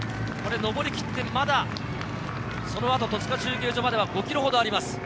上りきって、まだそのあと戸塚中継所はでは５ｋｍほどあります。